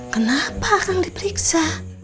kenapa akang diperiksa